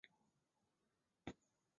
渐渐恢复体力